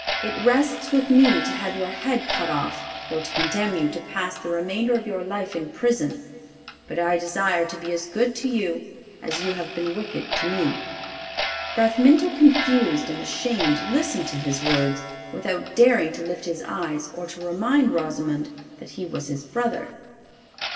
It rests with me to have your head cut off, or to condemn you to pass the remainder of your life in prison; but I desire to be as good to you as you have been wicked to me.' Bramintho, confused and ashamed, listened to his words without daring to lift his eyes or to remind Rosimond that he was his brother.